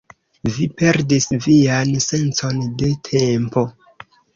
Vi perdis vian sencon de tempo